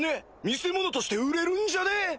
見せ物として売れるんじゃね？